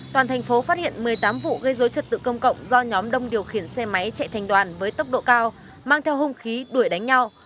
toàn thành phố phát hiện một mươi tám vụ gây dối trật tự công cộng do nhóm đông điều khiển xe máy chạy thành đoàn với tốc độ cao mang theo hung khí đuổi đánh nhau